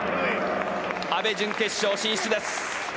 阿部、準決勝進出です。